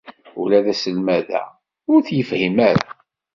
Ula d aselmad-a ur t-yefhim ara.